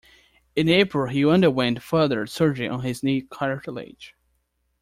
In April he underwent further surgery on his knee cartilage.